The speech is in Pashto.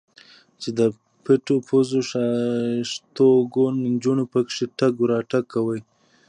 چې د پيتو پوزو ښايستوکو نجونو پکښې تګ راتګ کاوه.